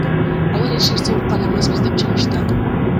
Алар эч нерсе уккан эмеспиз деп чыгышты.